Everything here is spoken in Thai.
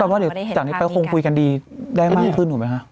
จากนี้ไปคุยกันดีได้มากขึ้นเหรอไหมคะ